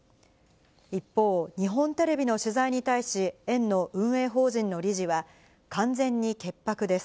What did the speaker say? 一方、日本テレビの取材に対し、園の運営法人の理事は、完全に潔白です。